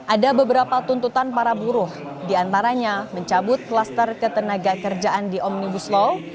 ada beberapa tuntutan para buruh diantaranya mencabut klaster ketenaga kerjaan di omnibus law